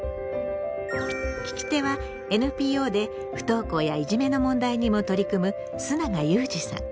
聞き手はＮＰＯで不登校やいじめの問題にも取り組む須永祐慈さん。